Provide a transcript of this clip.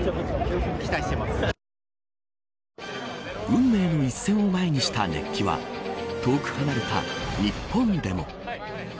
運命の一戦を前にした熱気は遠く離れた日本でも。